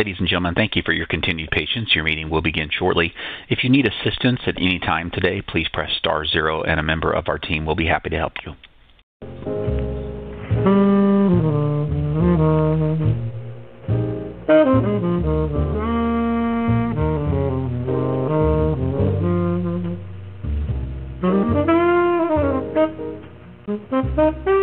Ladies and gentlemen, thank you for your continued patience. Your meeting will begin shortly. If you need assistance at any time today, please press star 0 and a member of our team will be happy to help you. Again,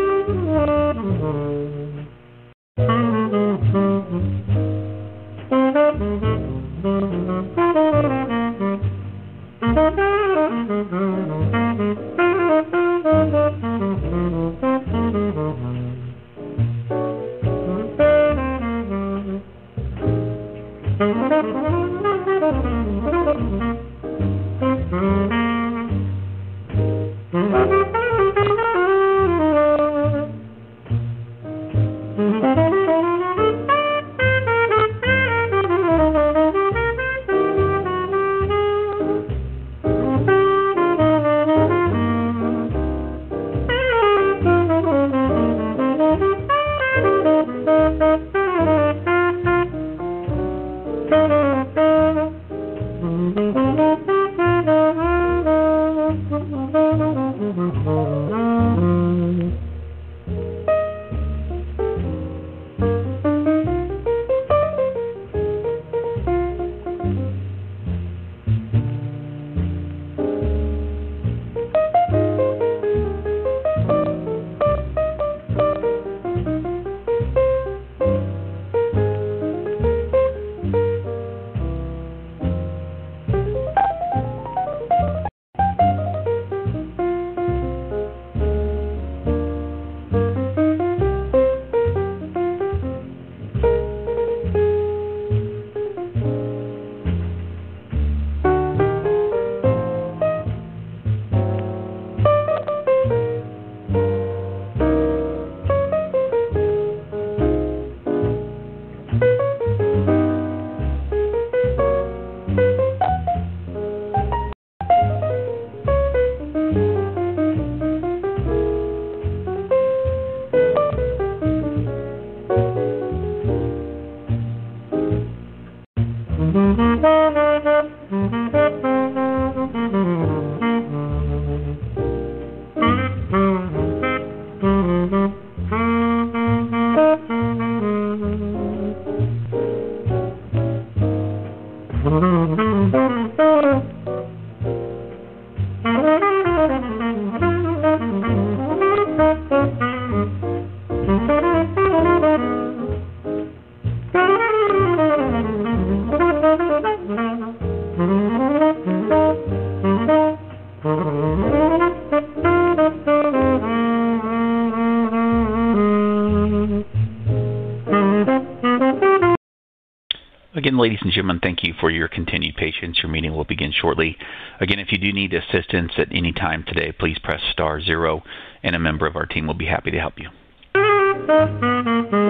ladies and gentlemen, thank you for your continued patience. Your meeting will begin shortly. Again, if you do need assistance at any time today, please press star 0 and a member of our team will be happy to help you. Hello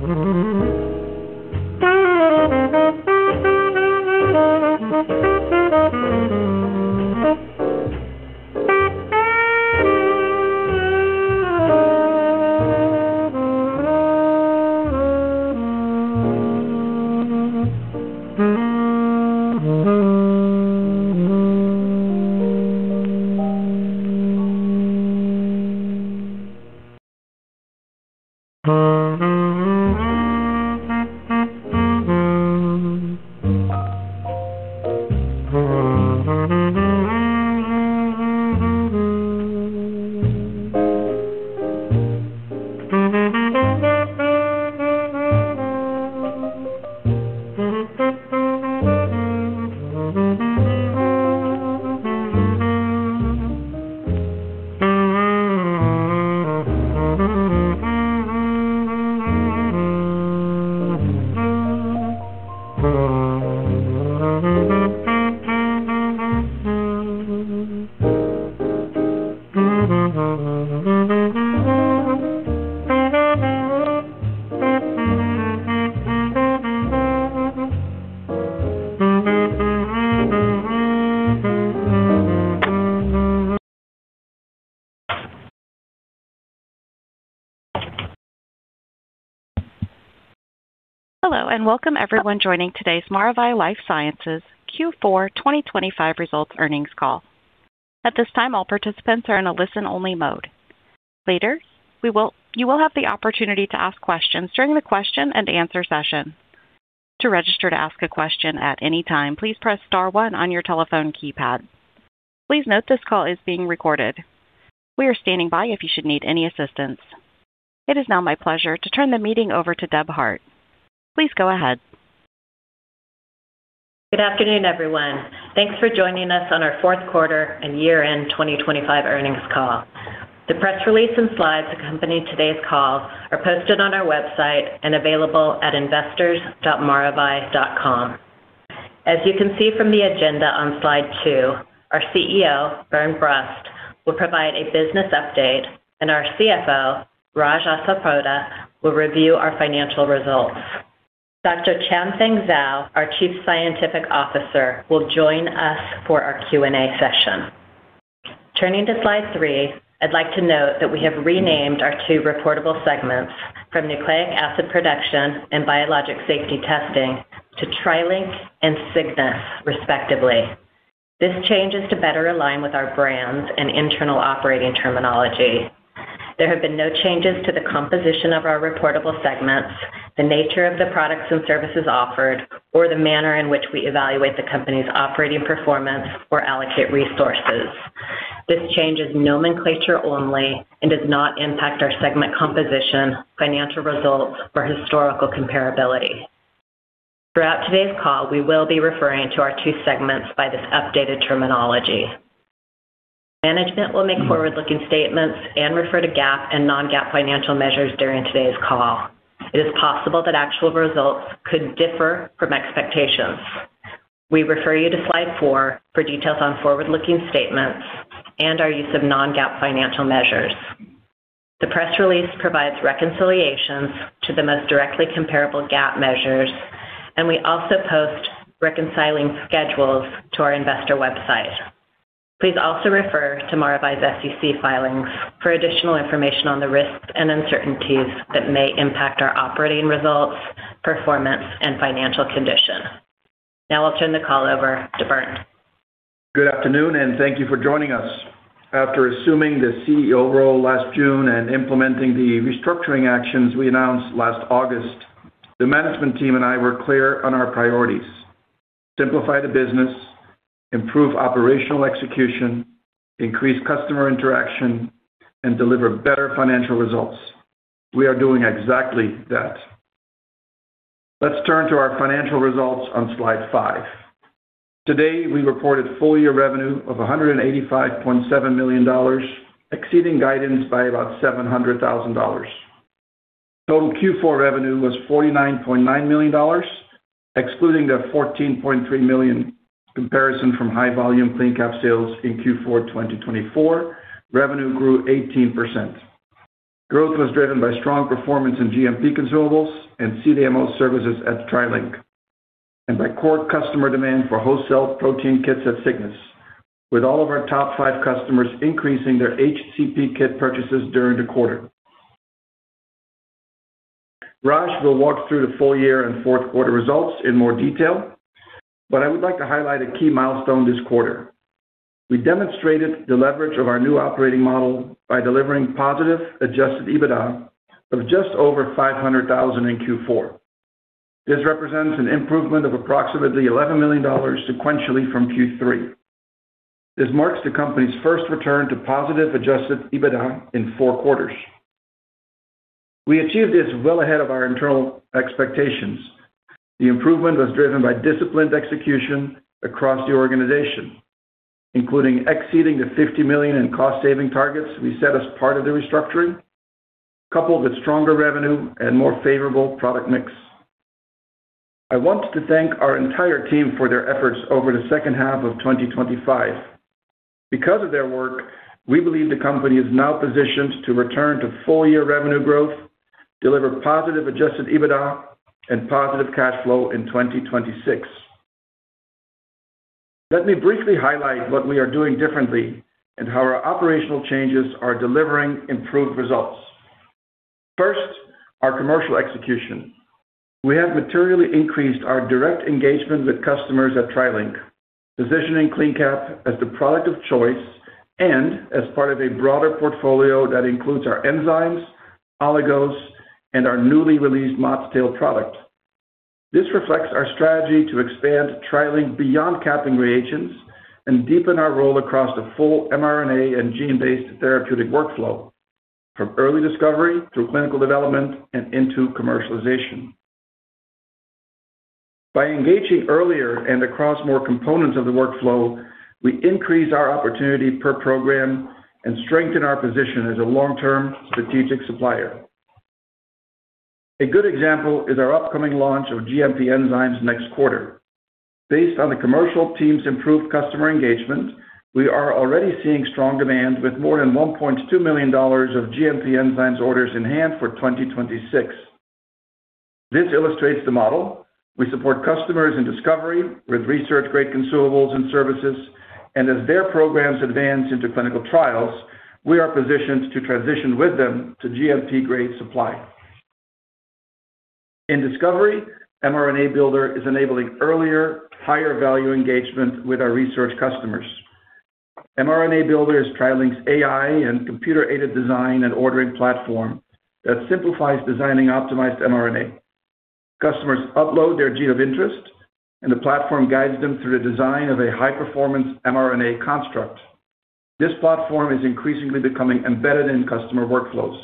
and welcome everyone joining today's Maravai LifeSciences Q4-2025 results earnings call. At this time, all participants are in a listen-only mode. Later, you will have the opportunity to ask questions during the question and answer session. To register to ask a question at any time, please press star 1 on your telephone keypad. Please note this call is being recorded. We are standing by if you should need any assistance. It is now my pleasure to turn the meeting over to Debra Hart. Please go ahead. Good afternoon, everyone. Thanks for joining us on our fourth quarter and year-end 2025 earnings call. The press release and slides that accompany today's call are posted on our website and available at investors.maravai.com. As you can see from the agenda on slide two, our CEO, Bernd Brust, will provide a business update, and our CFO, Rajesh Asarpota, will review our financial results. Dr. Chanfeng Zhao, our Chief Scientific Officer, will join us for our Q&A session. Turning to slide three, I'd like to note that we have renamed our two reportable segments from Nucleic Acid Production and Biologic Safety Testing to TriLink and Cygnus, respectively. This change is to better align with our brands and internal operating terminology. There have been no changes to the composition of our reportable segments, the nature of the products and services offered, or the manner in which we evaluate the company's operating performance or allocate resources. This change is nomenclature only and does not impact our segment composition, financial results, or historical comparability. Throughout today's call, we will be referring to our two segments by this updated terminology. Management will make forward-looking statements and refer to GAAP and non-GAAP financial measures during today's call. It is possible that actual results could differ from expectations. We refer you to slide four for details on forward-looking statements and our use of non-GAAP financial measures. The press release provides reconciliations to the most directly comparable GAAP measures, and we also post reconciling schedules to our investor website. Please also refer to Maravai's SEC filings for additional information on the risks and uncertainties that may impact our operating results, performance, and financial condition. Now I'll turn the call over to Bernd. Good afternoon, and thank you for joining us. After assuming the CEO role last June and implementing the restructuring actions we announced last August, the management team and I were clear on our priorities: simplify the business, improve operational execution, increase customer interaction, and deliver better financial results. We are doing exactly that. Let's turn to our financial results on slide five. Today, we reported full-year revenue of $185.7 million, exceeding guidance by about $700,000. Total Q4 revenue was $49.9 million, excluding the $14.3 million comparison from high-volume CleanCap sales in Q4 2024, revenue grew 18%. Growth was driven by strong performance in GMP consumables and CDMO services at TriLink, and by core customer demand for wholesale protein kits at Cygnus, with all of our top five customers increasing their HCP kit purchases during the quarter. Raj will walk through the full year and fourth quarter results in more detail, but I would like to highlight a key milestone this quarter. We demonstrated the leverage of our new operating model by delivering positive adjusted EBITDA of just over $500,000 in Q4. This represents an improvement of approximately $11 million sequentially from Q3. This marks the company's first return to positive adjusted EBITDA in four quarters. We achieved this well ahead of our internal expectations. The improvement was driven by disciplined execution across the organization, including exceeding the $50 million in cost-saving targets we set as part of the restructuring, coupled with stronger revenue and more favorable product mix. I want to thank our entire team for their efforts over the second half of 2025. We believe the company is now positioned to return to full-year revenue growth, deliver positive adjusted EBITDA, and positive cash flow in 2026. Let me briefly highlight what we are doing differently and how our operational changes are delivering improved results. First, our commercial execution. We have materially increased our direct engagement with customers at TriLink, positioning CleanCap as the product of choice and as part of a broader portfolio that includes our enzymes, oligos, and our newly released ModTail product. This reflects our strategy to expand TriLink beyond capping reagents and deepen our role across the full mRNA and gene-based therapeutic workflow, from early discovery through clinical development and into commercialization. By engaging earlier and across more components of the workflow, we increase our opportunity per program and strengthen our position as a long-term strategic supplier. A good example is our upcoming launch of GMP enzymes next quarter. Based on the commercial team's improved customer engagement, we are already seeing strong demand, with more than $1.2 million of GMP enzymes orders in hand for 2026. This illustrates the model. We support customers in discovery with research-grade consumables and services, and as their programs advance into clinical trials, we are positioned to transition with them to GMP-grade supply. In discovery, mRNA Builder is enabling earlier, higher-value engagement with our research customers. mRNA Builder is TriLink's AI and computer-aided design and ordering platform that simplifies designing optimized mRNA. Customers upload their gene of interest, and the platform guides them through the design of a high-performance mRNA construct. This platform is increasingly becoming embedded in customer workflows,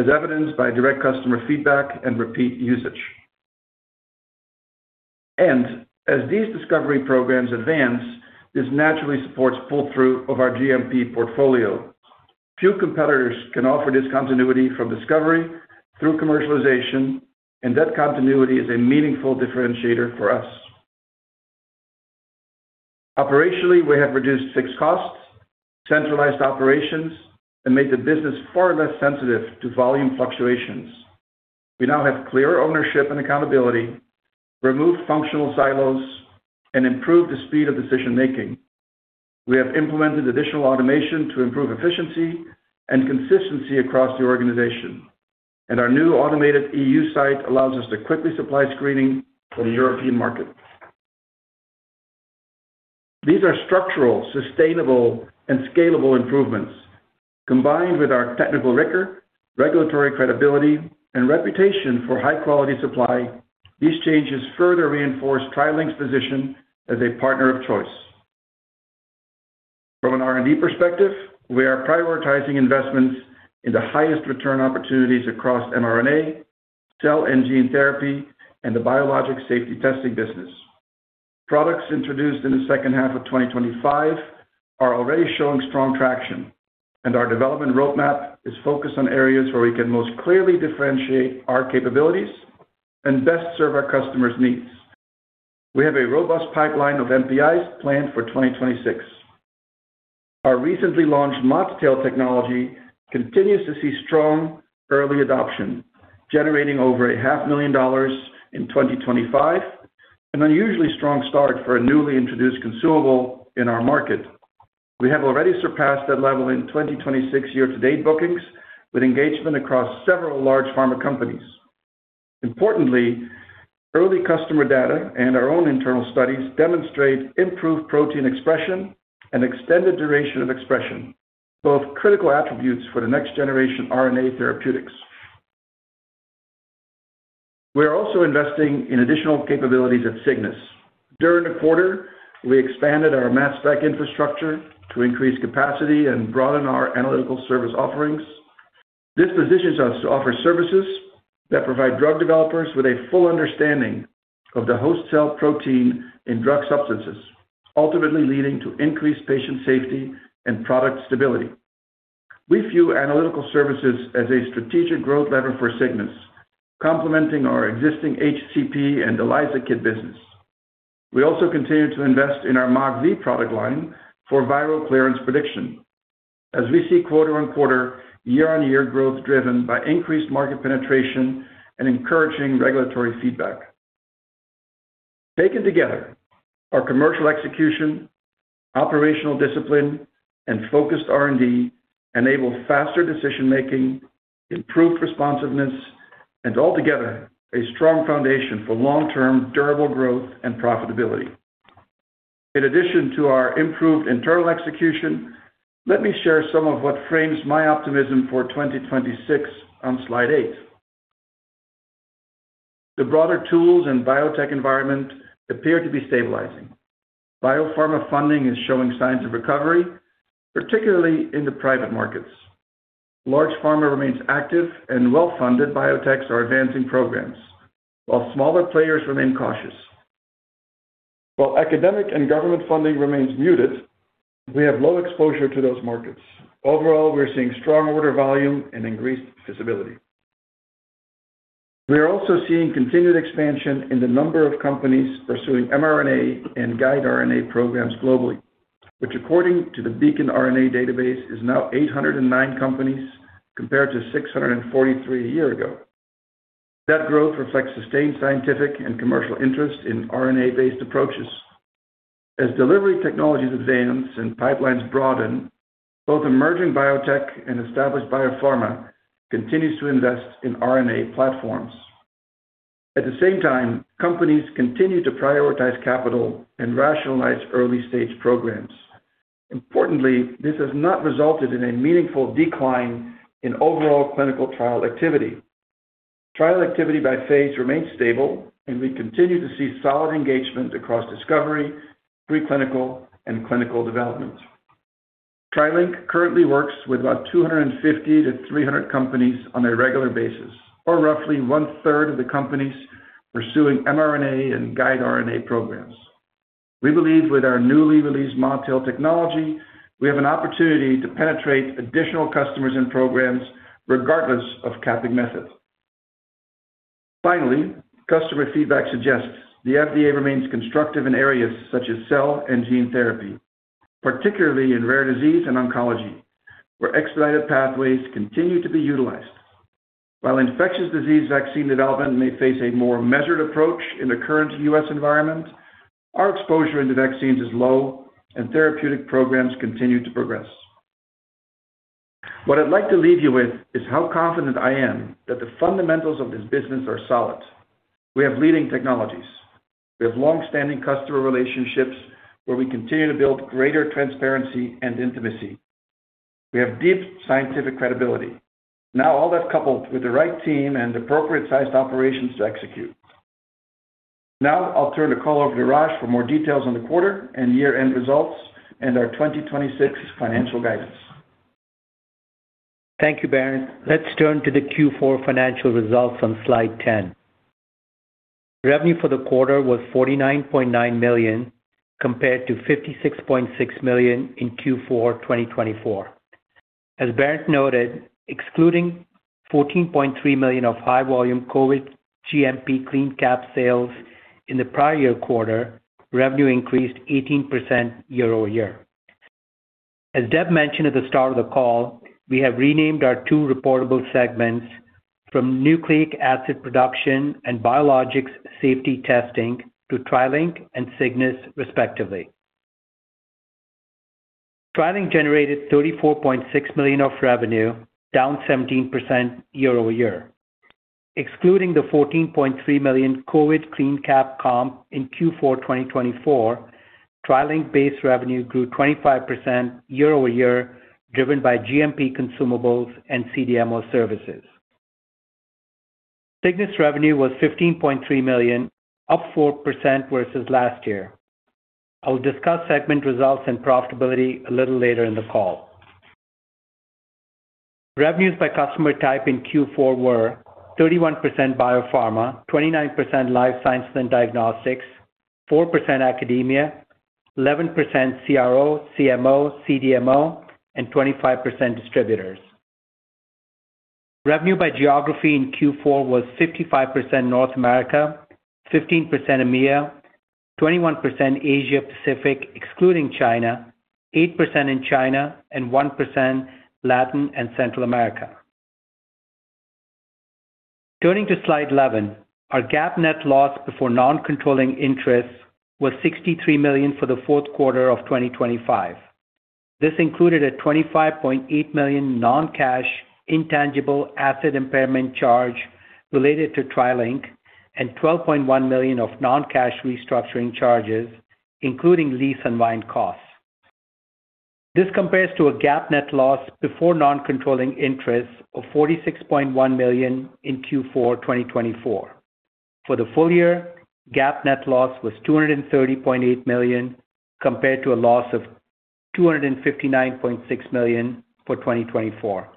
as evidenced by direct customer feedback and repeat usage. As these discovery programs advance, this naturally supports pull-through of our GMP portfolio. Few competitors can offer this continuity from discovery through commercialization, and that continuity is a meaningful differentiator for us. Operationally, we have reduced fixed costs, centralized operations, and made the business far less sensitive to volume fluctuations. We now have clear ownership and accountability, removed functional silos, and improved the speed of decision making. We have implemented additional automation to improve efficiency and consistency across the organization, and our new automated EU site allows us to quickly supply screening for the European market. These are structural, sustainable, and scalable improvements. Combined with our technical record, regulatory credibility, and reputation for high-quality supply, these changes further reinforce TriLink's position as a partner of choice. From an R&D perspective, we are prioritizing investments in the highest return opportunities across mRNA, cell and gene therapy, and the biologic safety testing business. Products introduced in the second half of 2025 are already showing strong traction, our development roadmap is focused on areas where we can most clearly differentiate our capabilities and best serve our customers' needs. We have a robust pipeline of NPIs planned for 2026. Our recently launched ModTail technology continues to see strong early adoption, generating over a half million dollars in 2025, an unusually strong start for a newly introduced consumable in our market. We have already surpassed that level in 2026 year-to-date bookings, with engagement across several large pharma companies. Importantly, early customer data and our own internal studies demonstrate improved protein expression and extended duration of expression, both critical attributes for the next generation RNA therapeutics. We are also investing in additional capabilities at Cygnus. During the quarter, we expanded our mass spec infrastructure to increase capacity and broaden our analytical service offerings. This positions us to offer services that provide drug developers with a full understanding of the host cell protein in drug substances, ultimately leading to increased patient safety and product stability. We view analytical services as a strategic growth lever for Cygnus, complementing our existing HCP and ELISA kit business. We also continue to invest in our MockV product line for viral clearance prediction, as we see quarter-on-quarter, year-on-year growth driven by increased market penetration and encouraging regulatory feedback. Taken together, our commercial execution, operational discipline, and focused R&D enable faster decision making, improved responsiveness, and altogether, a strong foundation for long-term, durable growth and profitability. In addition to our improved internal execution, let me share some of what frames my optimism for 2026 on slide eight. The broader tools and biotech environment appear to be stabilizing. Biopharma funding is showing signs of recovery, particularly in the private markets. Large pharma remains active and well-funded biotechs are advancing programs, while smaller players remain cautious. While academic and government funding remains muted, we have low exposure to those markets. Overall, we're seeing strong order volume and increased visibility. We are also seeing continued expansion in the number of companies pursuing mRNA and guide RNA programs globally, which, according to the Beacon RNA database, is now 809 companies, compared to 643 a year ago. That growth reflects sustained scientific and commercial interest in RNA-based approaches. As delivery technologies advance and pipelines broaden, both emerging biotech and established biopharma continues to invest in RNA platforms. At the same time, companies continue to prioritize capital and rationalize early-stage programs. Importantly, this has not resulted in a meaningful decline in overall clinical trial activity. Trial activity by phase remains stable, and we continue to see solid engagement across discovery, preclinical, and clinical development. TriLink currently works with about 250-300 companies on a regular basis, or roughly one-third of the companies pursuing mRNA and guide RNA programs. We believe with our newly released ModTail technology, we have an opportunity to penetrate additional customers and programs, regardless of capping methods. Finally, customer feedback suggests the FDA remains constructive in areas such as cell and gene therapy, particularly in rare disease and oncology, where expedited pathways continue to be utilized. While infectious disease vaccine development may face a more measured approach in the current U.S. environment, our exposure into vaccines is low and therapeutic programs continue to progress. What I'd like to leave you with is how confident I am that the fundamentals of this business are solid. We have leading technologies. We have long-standing customer relationships where we continue to build greater transparency and intimacy. We have deep scientific credibility. Now, all that's coupled with the right team and appropriate sized operations to execute. Now, I'll turn the call over to Raj for more details on the quarter and year-end results and our 2026 financial guidance. Thank you, Bernd. Let's turn to the Q4 financial results on slide 10. Revenue for the quarter was $49.9 million, compared to $56.6 million in Q4 2024. As Bernd noted, excluding $14.3 million of high-volume COVID GMP CleanCap sales in the prior-year quarter, revenue increased 18% year-over-year. As Deb mentioned at the start of the call, we have renamed our two reportable segments from Nucleic Acid Production and Biologics Safety Testing to TriLink and Cygnus, respectively. TriLink generated $34.6 million of revenue, down 17% year-over-year. Excluding the $14.3 million COVID CleanCap comp in Q4 2024, TriLink base revenue grew 25% year-over-year, driven by GMP consumables and CDMO services. Cygnus revenue was $15.3 million, up 4% versus last year. I'll discuss segment results and profitability a little later in the call. Revenues by customer type in Q4 were 31% biopharma, 29% life science and diagnostics, 4% academia, 11% CRO, CMO, CDMO, and 25% distributors. Revenue by geography in Q4 was 55% North America, 15% EMEA, 21% Asia Pacific, excluding China, 8% in China, and 1% Latin and Central America. Turning to slide 11, our GAAP net loss before non-controlling interest was $63 million for the fourth quarter of 2025. This included a $25.8 million non-cash, intangible asset impairment charge related to TriLink and $12.1 million of non-cash restructuring charges, including lease unwind costs. This compares to a GAAP net loss before non-controlling interest of $46.1 million in Q4 2024. For the full year, GAAP net loss was $230.8 million, compared to a loss of $259.6 million for 2024.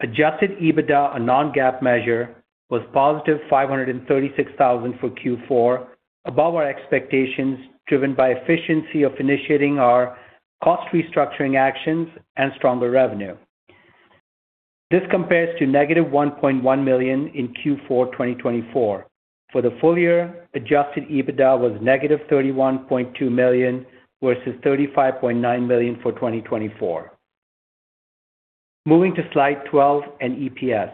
Adjusted EBITDA, a non-GAAP measure, was positive $536 thousand for Q4, above our expectations, driven by efficiency of initiating our cost restructuring actions and stronger revenue. This compares to negative $1.1 million in Q4 2024. For the full year, adjusted EBITDA was negative $31.2 million, versus $35.9 million for 2024. Moving to slide 12 and EPS.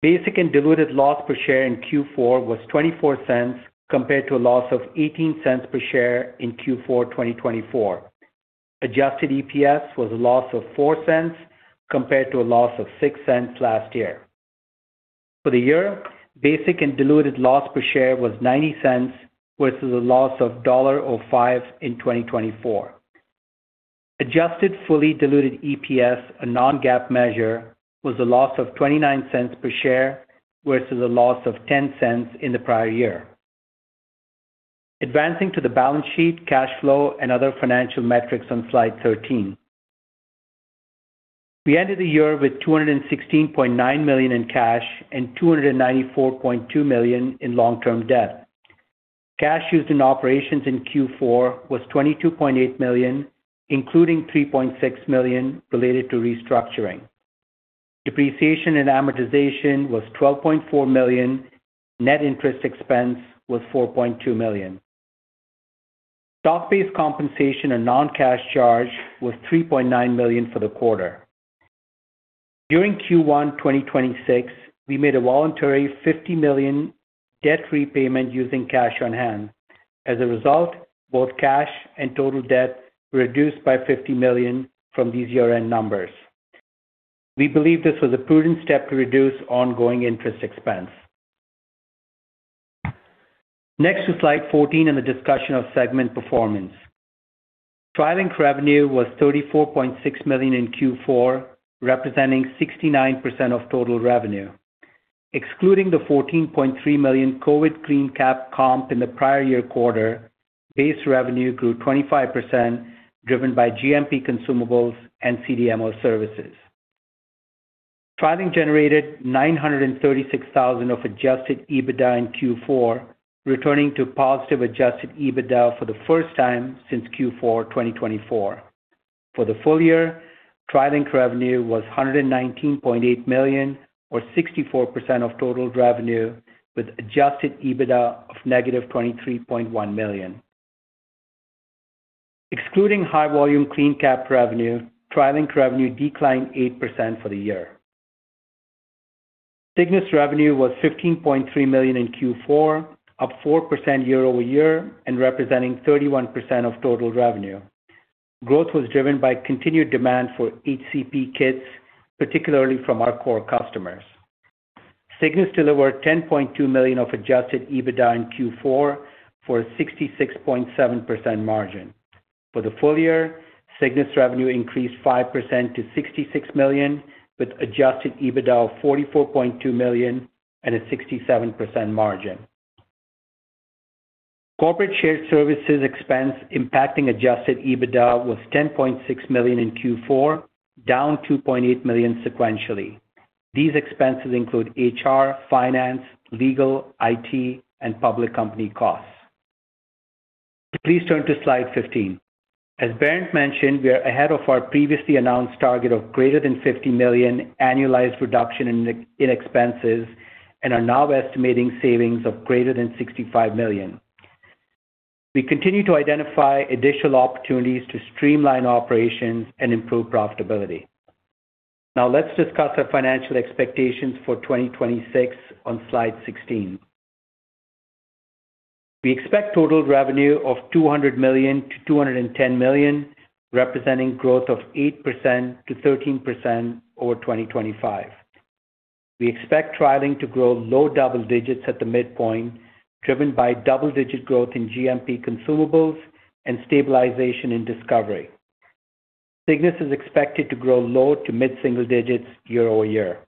Basic and diluted loss per share in Q4 was $0.24, compared to a loss of $0.18 per share in Q4 2024. Adjusted EPS was a loss of $0.04, compared to a loss of $0.06 last year. For the year, basic and diluted loss per share was $0.90, versus a loss of $1.05 in 2024. Adjusted fully diluted EPS, a non-GAAP measure, was a loss of $0.29 per share, versus a loss of $0.10 in the prior year. Advancing to the balance sheet, cash flow, and other financial metrics on slide 13. We ended the year with $216.9 million in cash and $294.2 million in long-term debt. Cash used in operations in Q4 was $22.8 million, including $3.6 million related to restructuring. Depreciation and amortization was $12.4 million. Net interest expense was $4.2 million. Stock-based compensation and non-cash charge was $3.9 million for the quarter. During Q1 2026, we made a voluntary $50 million debt repayment using cash on hand. As a result, both cash and total debt were reduced by $50 million from these year-end numbers. We believe this was a prudent step to reduce ongoing interest expense. Next to Slide 14 and the discussion of segment performance. TriLink revenue was $34.6 million in Q4, representing 69% of total revenue. Excluding the $14.3 million COVID CleanCap comp in the prior year quarter, base revenue grew 25%, driven by GMP consumables and CDMO services. TriLink generated $936,000 of adjusted EBITDA in Q4, returning to positive adjusted EBITDA for the first time since Q4 2024. For the full year, TriLink revenue was $119.8 million, or 64% of total revenue, with adjusted EBITDA of -$23.1 million. Excluding high-volume CleanCap revenue, TriLink revenue declined 8% for the year. Cygnus revenue was $15.3 million in Q4, up 4% year-over-year and representing 31% of total revenue. Growth was driven by continued demand for HCP kits, particularly from our core customers. Cygnus delivered $10.2 million of adjusted EBITDA in Q4, for a 66.7% margin. For the full year, Cygnus revenue increased 5% to $66 million, with adjusted EBITDA of $44.2 million and a 67% margin. Corporate shared services expense impacting adjusted EBITDA was $10.6 million in Q4, down $2.8 million sequentially. These expenses include HR, finance, legal, IT, and public company costs. Please turn to slide 15. As Bernd mentioned, we are ahead of our previously announced target of greater than $50 million annualized reduction in expenses and are now estimating savings of greater than $65 million. We continue to identify additional opportunities to streamline operations and improve profitability. Let's discuss our financial expectations for 2026 on slide 16. We expect total revenue of $200 million-$210 million, representing growth of 8%-13% over 2025. We expect TriLink to grow low double digits at the midpoint, driven by double-digit growth in GMP consumables and stabilization in Discovery. Cygnus is expected to grow low to mid single digits year-over-year.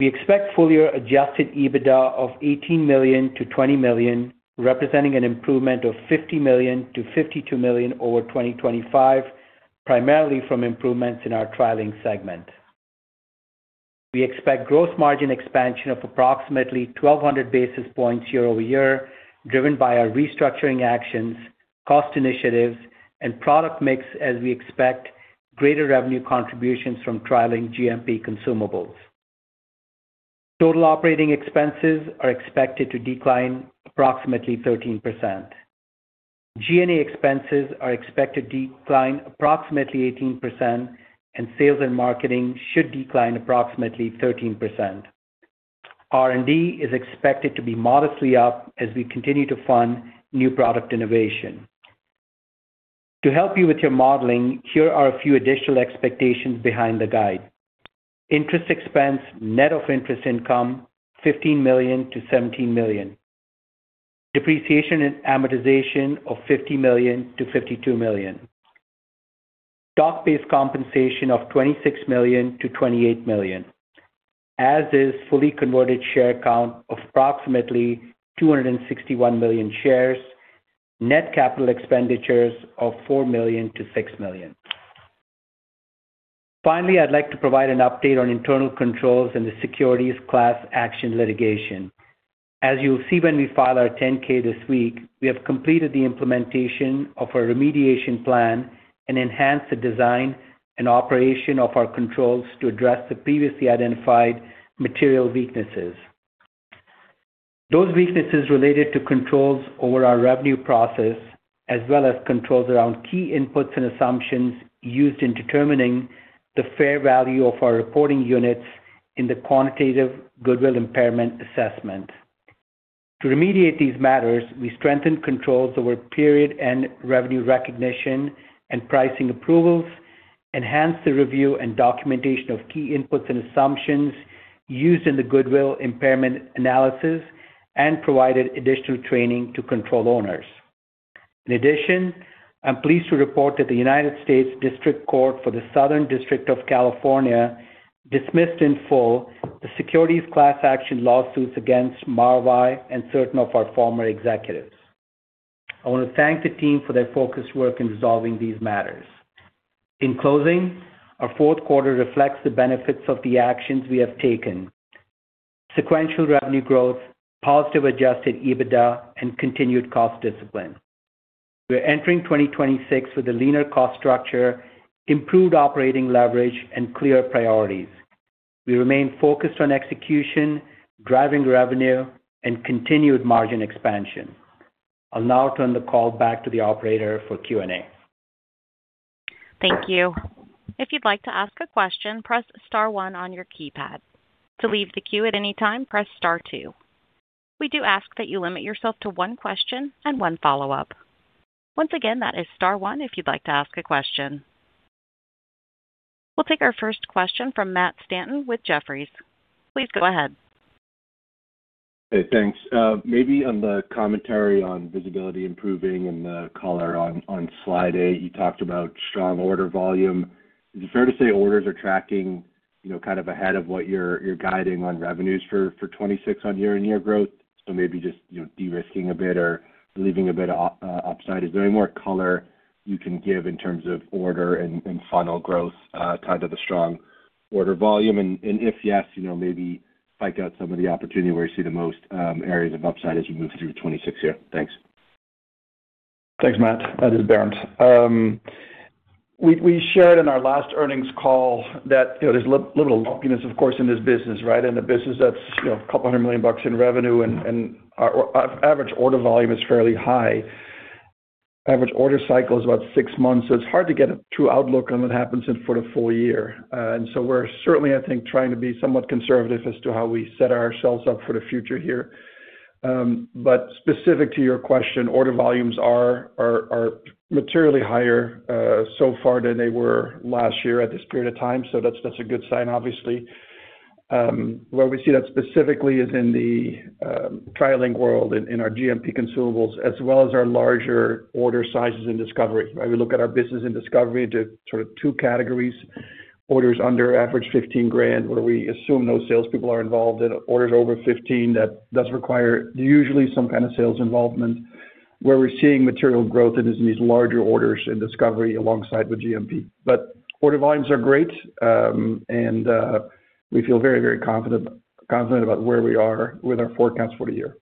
We expect full year adjusted EBITDA of $18 million-$20 million, representing an improvement of $50 million-$52 million over 2025, primarily from improvements in our TriLink segment. We expect gross margin expansion of approximately 1,200 basis points year-over-year, driven by our restructuring actions, cost initiatives, and product mix, as we expect greater revenue contributions from TriLink GMP consumables. Total operating expenses are expected to decline approximately 13%. G&A expenses are expected to decline approximately 18%, and sales and marketing should decline approximately 13%. R&D is expected to be modestly up as we continue to fund new product innovation. To help you with your modeling, here are a few additional expectations behind the guide. Interest expense, net of interest income, $15 million-$17 million. Depreciation and amortization of $50 million-$52 million. Stock-based compensation of $26 million-$28 million. As is fully converted share count of approximately 261 million shares. Net capital expenditures of $4 million-$6 million. Finally, I'd like to provide an update on internal controls and the securities class action litigation. As you'll see, when we file our 10-K this week, we have completed the implementation of our remediation plan and enhanced the design and operation of our controls to address the previously identified material weaknesses. Those weaknesses related to controls over our revenue process, as well as controls around key inputs and assumptions used in determining the fair value of our reporting units in the quantitative goodwill impairment assessment. To remediate these matters, we strengthened controls over period and revenue recognition and pricing approvals, enhanced the review and documentation of key inputs and assumptions used in the goodwill impairment analysis, and provided additional training to control owners. I'm pleased to report that the United States District Court for the Southern District of California dismissed in full the securities class action lawsuits against Maravai and certain of our former executives. I want to thank the team for their focused work in resolving these matters. Our fourth quarter reflects the benefits of the actions we have taken. Sequential revenue growth, positive adjusted EBITDA, and continued cost discipline. We're entering 2026 with a leaner cost structure, improved operating leverage and clear priorities. We remain focused on execution, driving revenue, and continued margin expansion. I'll now turn the call back to the operator for Q&A. Thank you. If you'd like to ask a question, press star one on your keypad. To leave the queue at any time, press star two. We do ask that you limit yourself to one question and one follow-up. Once again, that is star one, if you'd like to ask a question. We'll take our first question from Matt Stanton with Jefferies. Please go ahead. Hey, thanks. Maybe on the commentary on visibility improving and the color on slide eight, you talked about strong order volume. Is it fair to say orders are tracking, you know, kind of ahead of what you're guiding on revenues for 2026 on year-on-year growth? Maybe just, you know, de-risking a bit or leaving a bit of upside. Is there any more color you can give in terms of order and funnel growth tied to the strong order volume? If yes, you know, maybe spike out some of the opportunity where you see the most areas of upside as you move through 2026 here. Thanks. Thanks, Matt. This is Bernd. We shared in our last earnings call that, you know, there's a little lumpiness, of course, in this business, right? In a business that's, you know, $200 million in revenue and our average order volume is fairly high. Average order cycle is about six months, so it's hard to get a true outlook on what happens in, for the full year. We're certainly, I think, trying to be somewhat conservative as to how we set ourselves up for the future here. Specific to your question, order volumes are materially higher so far than they were last year at this period of time. That's a good sign, obviously. Where we see that specifically is in the TriLink world, in our GMP consumables, as well as our larger order sizes in Discovery, right? We look at our business in Discovery into sort of two categories, orders under average $15,000, where we assume no salespeople are involved, and orders over 15, that does require usually some kind of sales involvement. Where we're seeing material growth is in these larger orders in Discovery alongside with GMP. Order volumes are great, and we feel very, very confident about where we are with our forecasts for the year....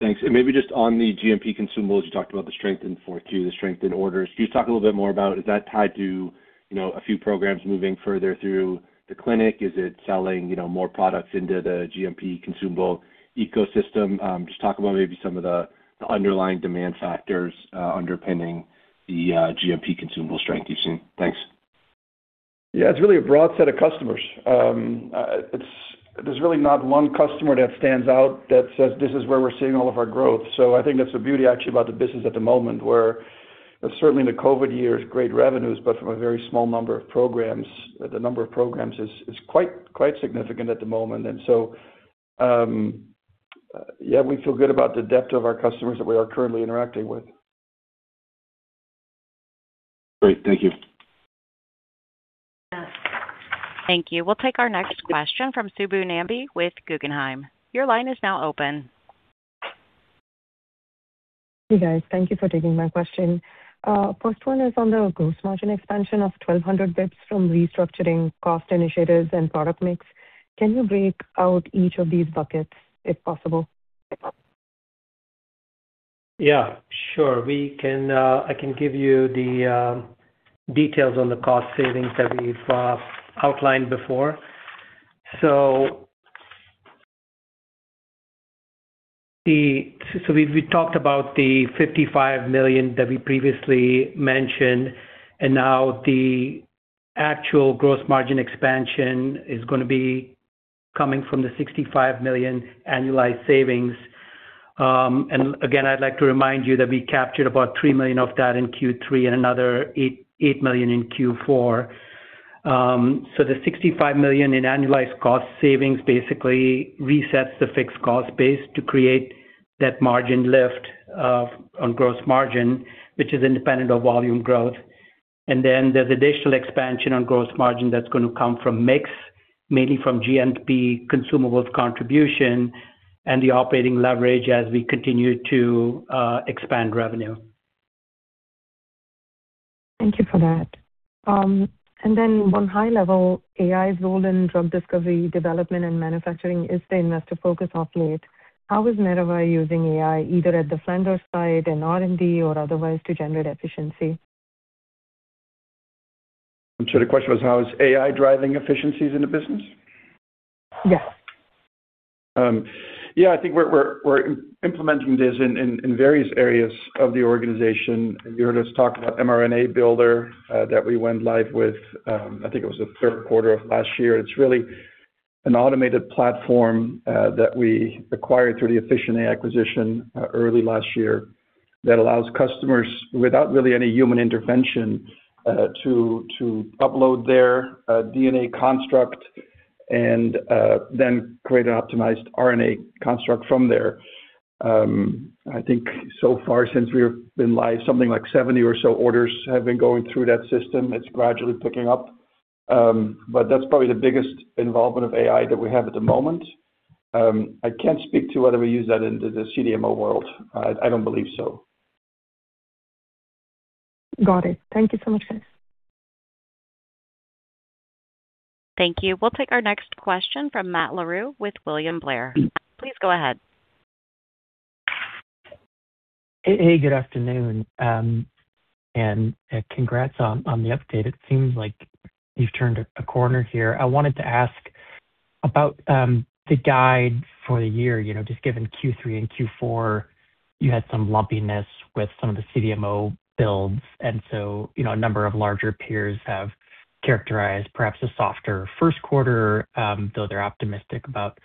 Thanks. Maybe just on the GMP consumables, you talked about the strength in Q4, the strength in orders. Can you talk a little bit more about, is that tied to, you know, a few programs moving further through the clinic? Is it selling, you know, more products into the GMP consumable ecosystem? Just talk about maybe some of the underlying demand factors underpinning the GMP consumable strength you've seen. Thanks. Yeah, it's really a broad set of customers. There's really not one customer that stands out that says this is where we're seeing all of our growth. I think that's the beauty, actually, about the business at the moment, where certainly in the COVID years, great revenues, but from a very small number of programs. The number of programs is quite significant at the moment. Yeah, we feel good about the depth of our customers that we are currently interacting with. Great. Thank you. Thank you. We'll take our next question from Subbu Nambi with Guggenheim. Your line is now open. Hey, guys. Thank you for taking my question. First one is on the gross margin expansion of 1,200 basis points from restructuring cost initiatives and product mix. Can you break out each of these buckets, if possible? Yeah, sure. We can, I can give you the details on the cost savings that we've outlined before. We talked about the $55 million that we previously mentioned, and now the actual gross margin expansion is going to be coming from the $65 million annualized savings. Again, I'd like to remind you that we captured about $3 million of that in Q3 and another $8 million in Q4. The $65 million in annualized cost savings basically resets the fixed cost base to create that margin lift on gross margin, which is independent of volume growth. There's additional expansion on gross margin that's going to come from mix, mainly from GMP consumables contribution and the operating leverage as we continue to expand revenue. Thank you for that. On high level, AI's role in drug discovery, development, and manufacturing is the investor focus of late. How is Maravai using AI, either at the Flanders side, in R&D, or otherwise, to generate efficiency? I'm sorry. The question was, how is AI driving efficiencies in the business? Yes. Yeah, I think we're implementing this in various areas of the organization. You heard us talk about mRNA Builder that we went live with, I think it was the third quarter of last year. It's really an automated platform that we acquired through the Officinae Bio acquisition early last year, that allows customers, without really any human intervention, to upload their DNA construct and then create an optimized RNA construct from there. I think so far since we've been live, something like 70 or so orders have been going through that system. It's gradually picking up. That's probably the biggest involvement of AI that we have at the moment. I can't speak to whether we use that in the CDMO world. I don't believe so. Got it. Thank you so much, guys. Thank you. We'll take our next question from Matt Larew with William Blair. Please go ahead. Good afternoon. Congrats on the update. It seems like you've turned a corner here. I wanted to ask about the guide for the year. You know, just given Q3 and Q4, you had some lumpiness with some of the CDMO builds. You know, a number of larger peers have characterized perhaps a softer first quarter, though they're optimistic about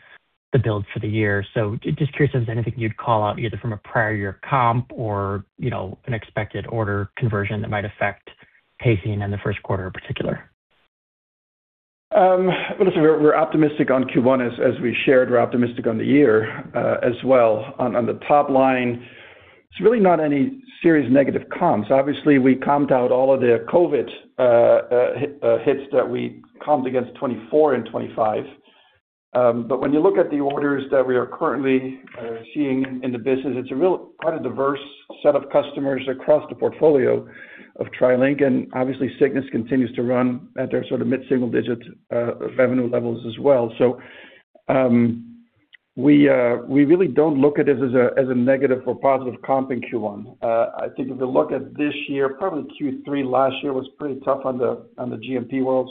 the build for the year. Just curious if there's anything you'd call out, either from a prior year comp or, you know, an expected order conversion that might affect pacing in the first quarter in particular? Well, listen, we're optimistic on Q1. As we shared, we're optimistic on the year as well. On the top line, there's really not any serious negative comps. Obviously, we comped out all of the COVID hits that we comped against 2024 and 2025. When you look at the orders that we are currently seeing in the business, it's a real, quite a diverse set of customers across the portfolio of TriLink, and obviously, Cygnus continues to run at their sort of mid-single-digit revenue levels as well. We really don't look at this as a negative or positive comp in Q1. I think if you look at this year, probably Q3 last year was pretty tough on the GMP world,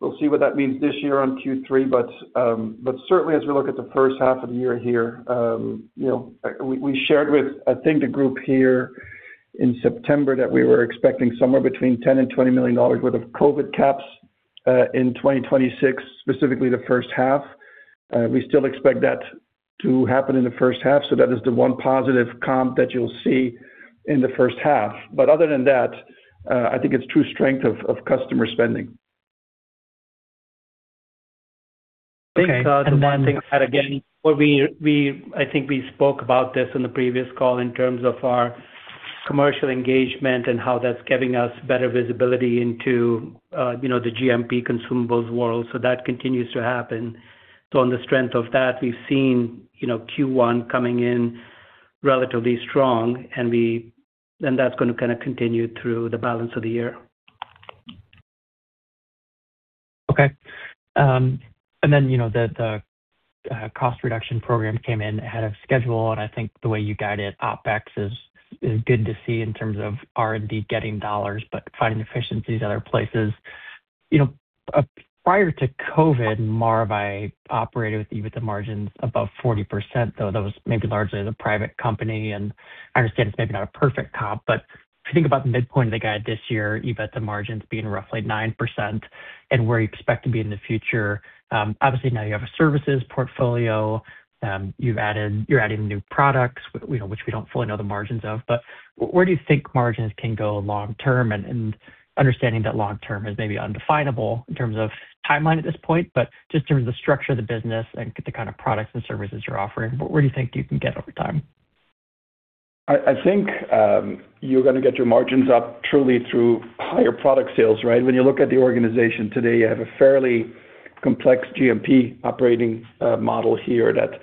we'll see what that means this year on Q3. Certainly as we look at the first half of the year here, you know, we shared with, I think, the group here in September that we were expecting somewhere between $10 million and $20 million worth of COVID caps in 2026, specifically the first half. We still expect that to happen in the first half, so that is the one positive comp that you'll see in the first half. Other than that, I think it's true strength of customer spending. I think, the one thing that, again, where we I think we spoke about this in the previous call in terms of our commercial engagement and how that's giving us better visibility into, you know, the GMP consumables world. That continues to happen. On the strength of that, we've seen, you know, Q1 coming in relatively strong, and that's going to kind of continue through the balance of the year. Okay. You know, the, cost reduction program came in ahead of schedule, and I think the way you guide it, OpEx is good to see in terms of R&D getting dollars, but finding efficiencies in other places. You know, prior to COVID, Maravai operated with EBITDA margins above 40%, though that was maybe largely as a private company, and I understand it's maybe not a perfect comp, but if you think about the midpoint of the guide this year, EBITDA margins being roughly 9% and where you expect to be in the future, obviously now you have a services portfolio, you're adding new products, you know, which we don't fully know the margins of. Where do you think margins can go long term? Understanding that long term is maybe undefinable in terms of timeline at this point, but just in terms of the structure of the business and the kind of products and services you're offering, where do you think you can get over time? I think you're going to get your margins up truly through higher product sales, right? When you look at the organization today, you have a fairly complex GMP operating model here that,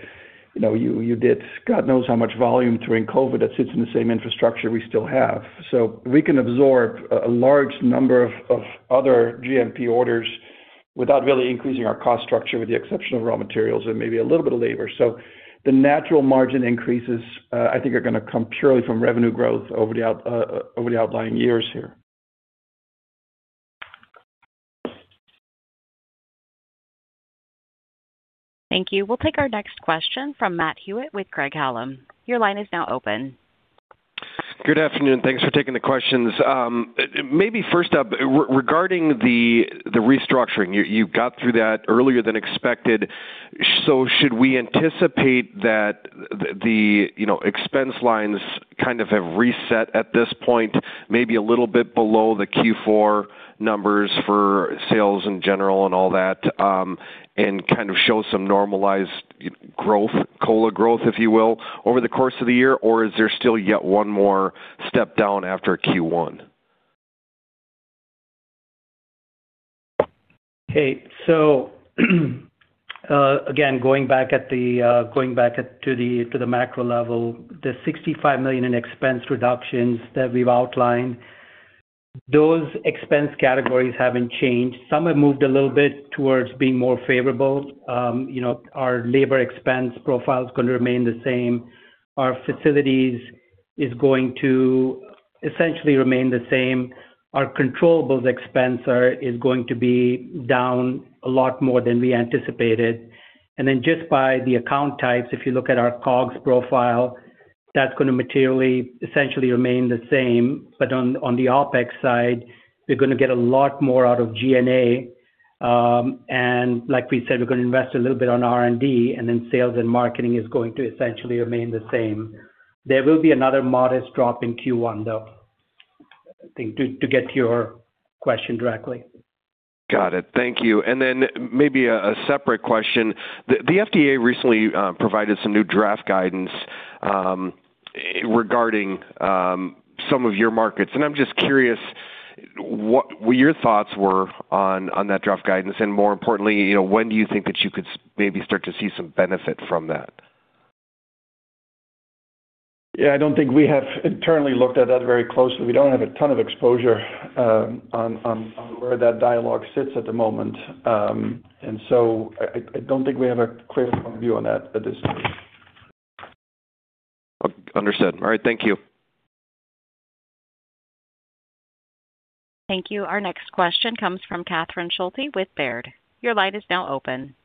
you know, you did God knows how much volume during COVID that sits in the same infrastructure we still have. We can absorb a large number of other GMP orders without really increasing our cost structure, with the exception of raw materials and maybe a little bit of labor. The natural margin increases, I think are going to come purely from revenue growth over the outlying years here. Thank you. We'll take our next question from Matt Hewitt with Craig-Hallum. Your line is now open. Good afternoon. Thanks for taking the questions. Maybe first up, regarding the restructuring, you got through that earlier than expected. Should we anticipate that the, you know, expense lines kind of have reset at this point, maybe a little bit below the Q4 numbers for sales in general and all that, and kind of show some normalized growth, core growth, if you will, over the course of the year? Or is there still yet one more step down after Q1? Okay. Again, going back to the macro level, the $65 million in expense reductions that we've outlined, those expense categories haven't changed. Some have moved a little bit towards being more favorable. You know, our labor expense profile is going to remain the same. Our facilities is going to essentially remain the same. Our controllable expense is going to be down a lot more than we anticipated. Just by the account types, if you look at our COGS profile, that's going to essentially remain the same. On the OpEx side, we're going to get a lot more out of G&A. Like we said, we're going to invest a little bit on R&D, sales and marketing is going to essentially remain the same. There will be another modest drop in Q1, though, I think, to get to your question directly. Got it. Thank you. Then maybe a separate question. The FDA recently provided some new draft guidance regarding some of your markets. I'm just curious what your thoughts were on that draft guidance, and more importantly, you know, when do you think that you could maybe start to see some benefit from that? Yeah, I don't think we have internally looked at that very closely. We don't have a ton of exposure, on where that dialogue sits at the moment. I don't think we have a clear point of view on that at this stage. Understood. All right. Thank you. Thank you. Our next question comes from Kathryn Schulte with Baird. Your line is now open.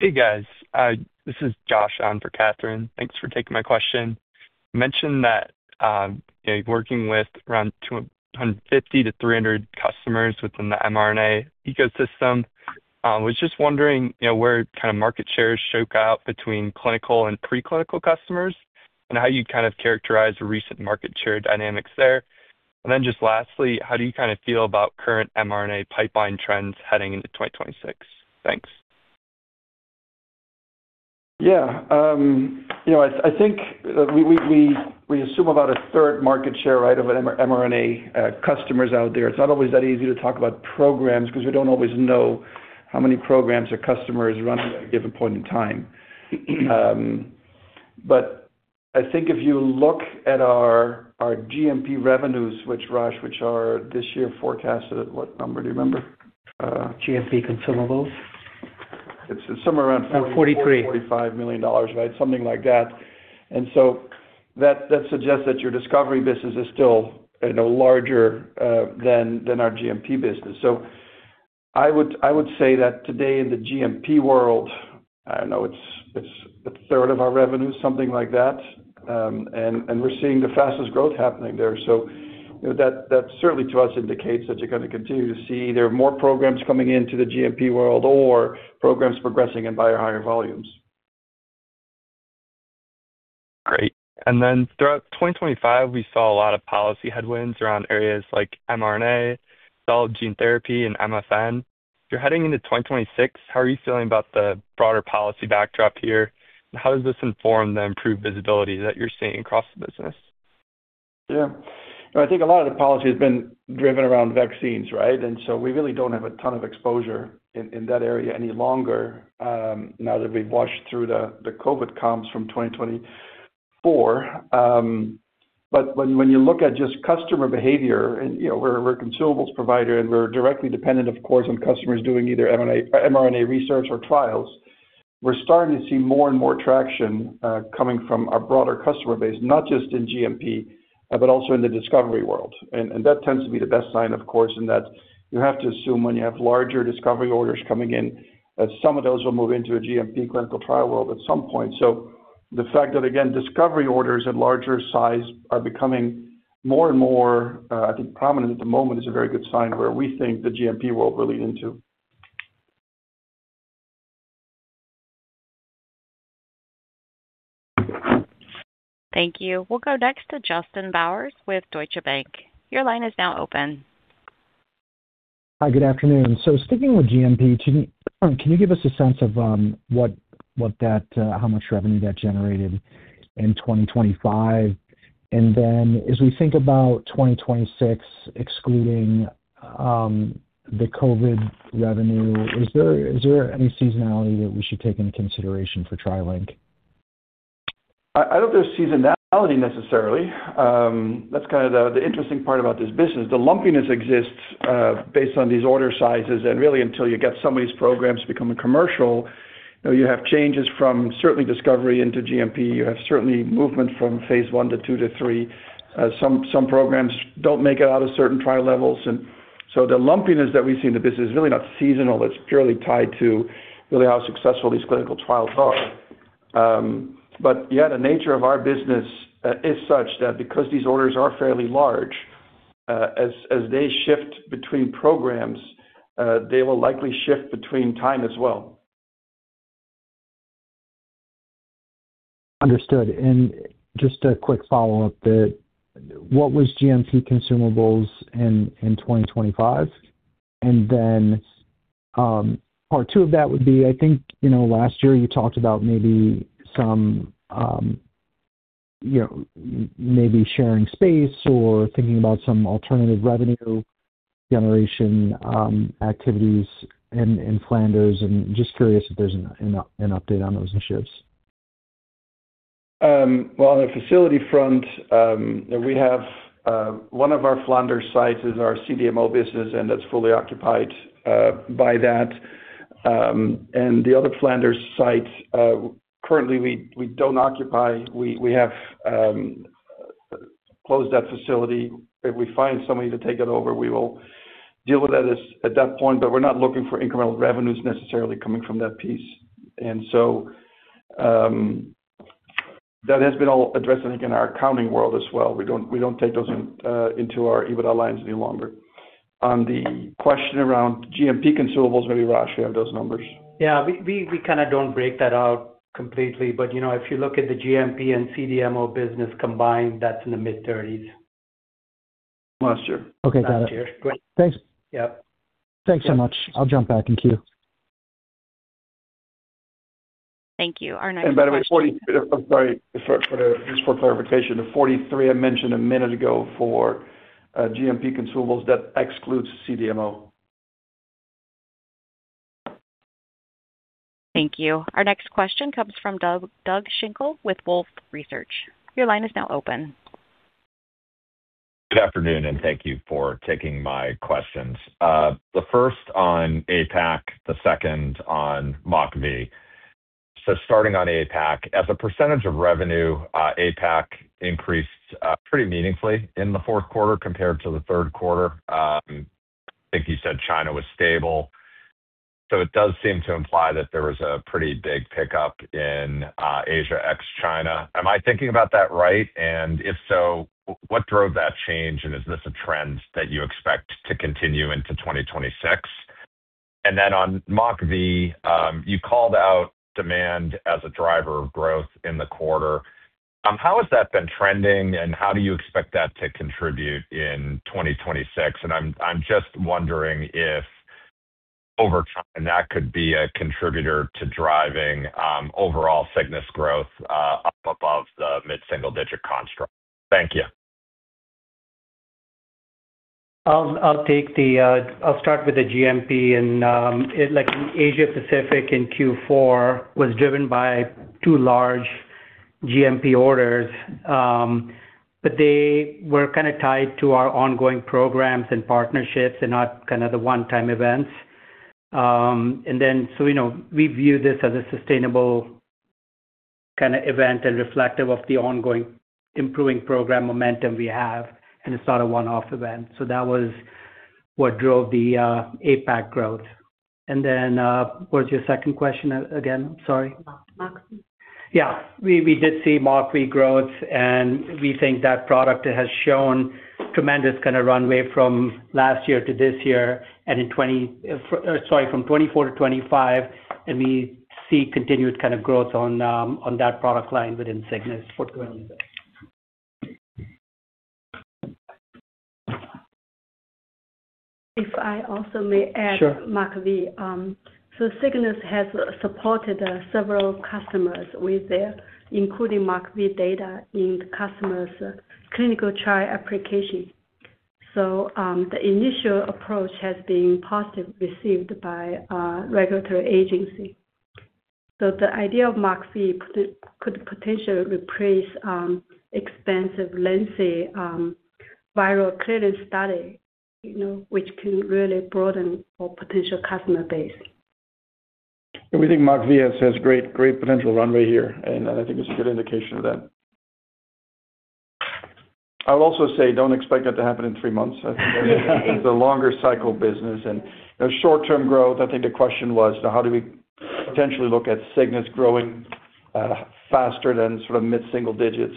Hey, guys, this is Josh on for Kathryn. Thanks for taking my question. You mentioned that, you know, working with around 250-300 customers within the mRNA ecosystem, was just wondering, you know, where kind of market shares shook out between clinical and preclinical customers, and how you kind of characterize recent market share dynamics there? Just lastly, how do you kind of feel about current mRNA pipeline trends heading into 2026? Thanks. Yeah. You know, I think we assume about a third market share, right, of an mRNA customers out there. It's not always that easy to talk about programs because we don't always know how many programs a customer is running at a given point in time. But I think if you look at our GMP revenues, which Raj, which are this year forecasted at what number, do you remember? GMP consumables. It's somewhere around. Forty-three. $45 million, right? Something like that. That suggests that your discovery business is still, you know, larger than our GMP business. I would say that today in the GMP world, I don't know, it's a third of our revenue, something like that. We're seeing the fastest growth happening there. That certainly to us, indicates that you're going to continue to see either more programs coming into the GMP world or programs progressing and by our higher volumes. Great. Throughout 2025, we saw a lot of policy headwinds around areas like mRNA, cell gene therapy, and Most-Favored-Nation. You're heading into 2026, how are you feeling about the broader policy backdrop here? How does this inform the improved visibility that you're seeing across the business? Yeah. I think a lot of the policy has been driven around vaccines, right? We really don't have a ton of exposure in that area any longer, now that we've washed through the COVID comps from 2024. But when you look at just customer behavior and, you know, we're a consumables provider, and we're directly dependent, of course, on customers doing either mRNA research or trials. We're starting to see more and more traction coming from our broader customer base, not just in GMP, but also in the discovery world. That tends to be the best sign, of course, in that you have to assume when you have larger discovery orders coming in, that some of those will move into a GMP clinical trial world at some point. The fact that, again, discovery orders at larger size are becoming more and more, I think, prominent at the moment, is a very good sign where we think the GMP world will lead into. Thank you. We'll go next to Justin Bowers with Deutsche Bank. Your line is now open. Hi, good afternoon. Sticking with GMP, can you give us a sense of what that how much revenue that generated in 2025? As we think about 2026, excluding the COVID revenue, is there any seasonality that we should take into consideration for TriLink? I don't think there's seasonality necessarily. That's kind of the interesting part about this business. The lumpiness exists, based on these order sizes, and really, until you get some of these programs to become a commercial, you know, you have changes from certainly discovery into GMP. You have certainly movement from phase one to two to three. Some programs don't make it out of certain trial levels. The lumpiness that we see in the business is really not seasonal. It's purely tied to really how successful these clinical trials are. Yeah, the nature of our business is such that because these orders are fairly large, as they shift between programs, they will likely shift between time as well. Understood. Just a quick follow-up that, what was GMP consumables in 2025? Part two of that would be, I think, you know, last year you talked about maybe some, you know, maybe sharing space or thinking about some alternative revenue generation, activities in Flanders, and just curious if there's an update on those initiatives. Well, on the facility front, we have one of our Flanders sites is our CDMO business, and that's fully occupied by that. The other Flanders site, currently, we don't occupy. We have closed that facility. If we find somebody to take it over, we will deal with that as at that point, but we're not looking for incremental revenues necessarily coming from that piece. That has been all addressed, I think, in our accounting world as well. We don't take those into our EBITDA lines any longer. On the question around GMP consumables, maybe, Raj, you have those numbers? Yeah, we kind of don't break that out completely, but, you know, if you look at the GMP and CDMO business combined, that's in the mid-thirties. Last year. Okay, got it. Last year. Thanks. Yep. Thanks so much. I'll jump back in queue. Thank you. by the way, 40, I'm sorry, just for clarification, the 43 I mentioned a minute ago for GMP consumables, that excludes CDMO. Thank you. Our next question comes from Doug Schenkel with Wolfe Research. Your line is now open. Good afternoon. Thank you for taking my questions. The first on APAC, the second on MockV. Starting on APAC, as a percentage of revenue, APAC increased pretty meaningfully in the fourth quarter compared to the third quarter. I think you said China was stable, so it does seem to imply that there was a pretty big pickup in Asia ex China. Am I thinking about that right? If so, what drove that change, and is this a trend that you expect to continue into 2026? Then on MockV, you called out demand as a driver of growth in the quarter. How has that been trending, and how do you expect that to contribute in 2026? I'm just wondering if over time, that could be a contributor to driving, overall Cygnus growth, up above the mid-single-digit construct. Thank you. I'll start with the GMP, like, in Asia Pacific in Q4 was driven by two large GMP orders. They were kind of tied to our ongoing programs and partnerships and not kind of the one-time events. you know, we view this as a sustainable kind of event and reflective of the ongoing improving program momentum we have, and it's not a one-off event. That was what drove the APAC growth. What was your second question again? Sorry. MockV. We did see MockV growth, and we think that product has shown tremendous kind of runway from last year to this year, from 2024-2025, and we see continued kind of growth on that product line within Cygnus for currently. If I also may add- Sure. MockV. Cygnus has supported several customers with their including MockV data in the customer's clinical trial application. The initial approach has been positive, received by our regulatory agency. The idea of MockV could potentially replace expensive, lengthy, viral clearance study, you know, which can really broaden our potential customer base. We think MockV has great potential runway here. I think it's a good indication of that. I'll also say, don't expect that to happen in three months. It's a longer cycle business, you know, short-term growth, I think the question was, how do we potentially look at Cygnus growing faster than sort of mid-single digits?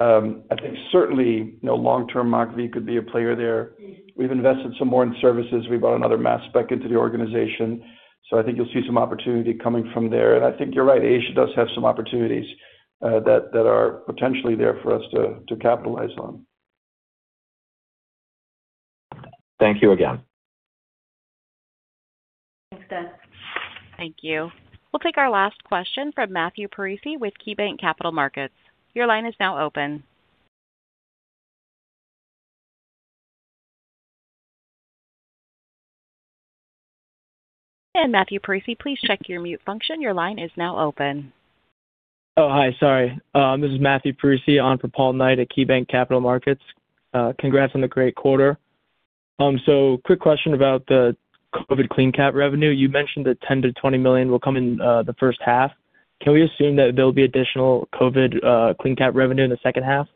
I think certainly, you know, long-term MockV could be a player there. We've invested some more in services. We've brought another mass spec into the organization. I think you'll see some opportunity coming from there. I think you're right, Asia does have some opportunities that are potentially there for us to capitalize on. Thank you again. Thanks, guys. Thank you. We'll take our last question from Matthew Parisi with KeyBanc Capital Markets. Your line is now open. Matthew Parisi, please check your mute function. Your line is now open. Oh, hi, sorry. This is Matthew Parisi, on for Paul Knight at KeyBanc Capital Markets. Congrats on the great quarter. Quick question about the COVID CleanCap revenue. You mentioned that $10 million-$20 million will come in the first half. Can we assume that there'll be additional COVID CleanCap revenue in the second half?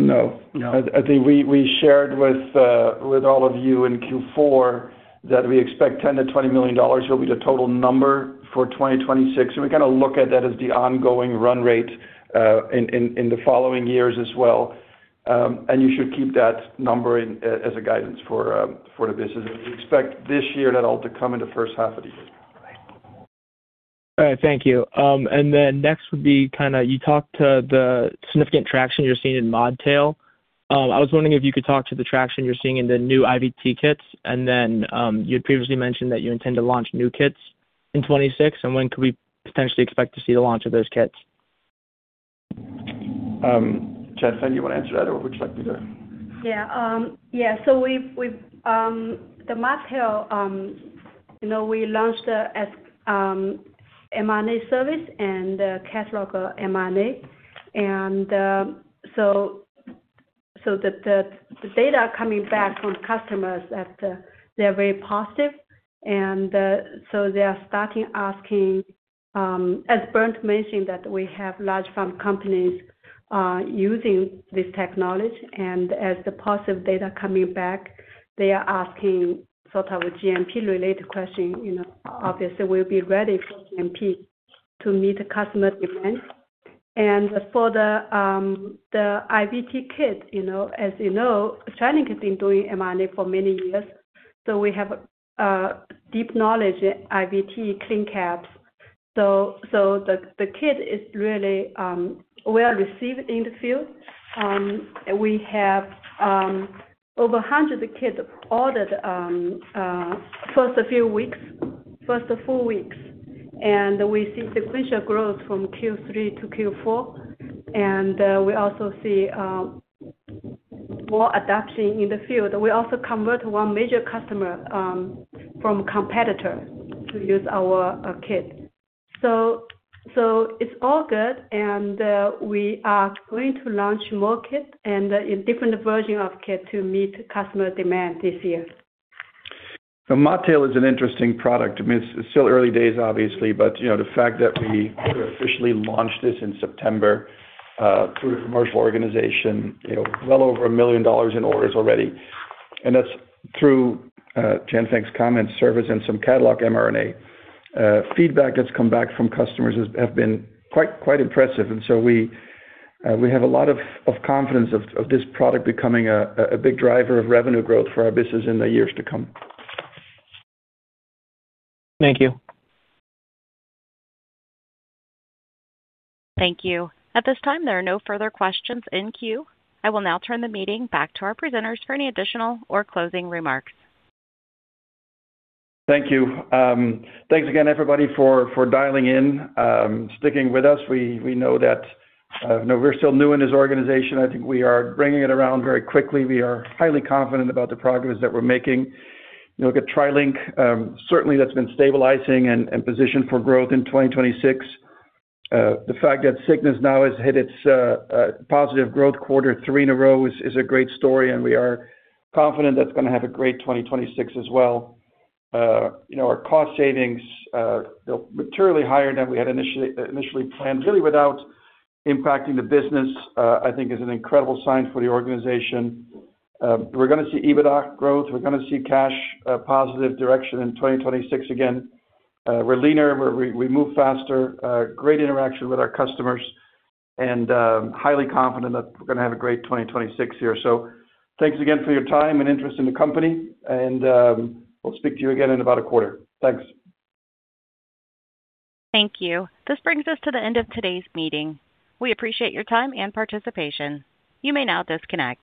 No. No. I think we shared with all of you in Q4, that we expect $10 million-$20 million will be the total number for 2026, and we kind of look at that as the ongoing run rate in the following years as well. You should keep that number in as a guidance for the business. We expect this year, that all to come in the first half of the year. All right. Thank you. Next would be kind of, you talked to the significant traction you're seeing in ModTail. I was wondering if you could talk to the traction you're seeing in the new IVT kits, and then, you had previously mentioned that you intend to launch new kits in 2026, and when could we potentially expect to see the launch of those kits? Jianfeng, you want to answer that, or would you like me to? Yeah. Yeah, we've, the ModTail, you know, we launched the mRNA service and the catalog mRNA. The data coming back from customers that they're very positive, and so they are starting asking, as Bernd mentioned, that we have large pharma companies using this technology, and as the positive data coming back, they are asking sort of a GMP-related question. You know, obviously, we'll be ready for GMP to meet the customer demand. For the IVT kit, you know, as you know, TriLink has been doing mRNA for many years, so we have deep knowledge in IVT CleanCaps. The kit is really well-received in the field. We have over 100 kits ordered first four weeks, we see sequential growth from Q3 to Q4, we also see more adoption in the field. We also convert one major customer from competitor to use our kit. It's all good, we are going to launch more kit and a different version of kit to meet customer demand this year. The ModTail is an interesting product. I mean, it's still early days, obviously, but you know, the fact that we officially launched this in September through the commercial organization, you know, well over $1 million in orders already, and that's through Jianfeng's comment, service and some catalog mRNA. Feedback that's come back from customers have been quite impressive. We have a lot of confidence of this product becoming a big driver of revenue growth for our business in the years to come. Thank you. Thank you. At this time, there are no further questions in queue. I will now turn the meeting back to our presenters for any additional or closing remarks. Thank you. Thanks again, everybody, for dialing in, sticking with us. We know that, you know, we're still new in this organization. I think we are bringing it around very quickly. We are highly confident about the progress that we're making. You know, we got TriLink, certainly that's been stabilizing and positioned for growth in 2026. The fact that Cygnus now has hit its positive growth Q3 in a row is a great story, we are confident that's gonna have a great 2026 as well. You know, our cost savings, materially higher than we had initially planned, really without impacting the business, I think is an incredible sign for the organization. We're gonna see EBITDA growth. We're gonna see cash positive direction in 2026 again. We're leaner, we move faster, great interaction with our customers, and highly confident that we're gonna have a great 2026 here. Thanks again for your time and interest in the company, and we'll speak to you again in about a quarter. Thanks. Thank you. T his brings us to the end of today's meeting. We appreciate your time and participation. You may now disconnect.